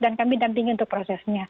dan kami dampingin untuk prosesnya